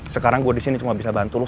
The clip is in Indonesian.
sekarang gue disini cuma bisa bantu lu